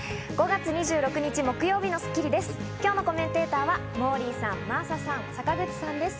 ５月２６日、木曜日の『スッキリ』です。